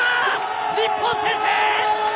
日本先制！